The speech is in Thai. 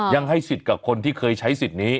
ยังให้สิทธิ์กับคนที่เคยใช้สิทธิ์นี้